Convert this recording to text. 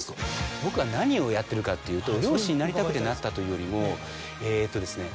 僕は何をやってるかっていうと猟師になりたくてなったというよりも。